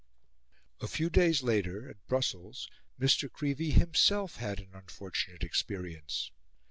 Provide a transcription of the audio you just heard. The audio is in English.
A few days later, at Brussels, Mr. Creevey himself had an unfortunate experience.